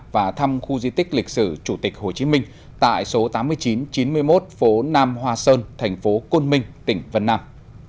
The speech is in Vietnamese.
và thăm khu di tích lịch sử chủ tịch hồ chí minh tại số tám nghìn chín trăm chín mươi một phố nam hòa sơn thành phố côn minh tỉnh vân nam